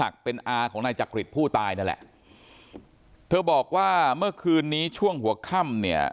อาของนายจักริตผู้ตายนั่นแหละเธอบอกว่าเมื่อคืนนี้ช่วงหัวค่ำเนี่ย